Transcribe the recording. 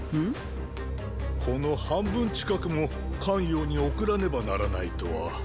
この半分近くも咸陽に送らねばならないとは。